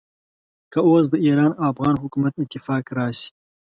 که اوس د ایران او افغان حکومت اتفاق راشي.